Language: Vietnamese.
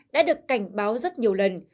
đã được cảnh báo rất nhiều lần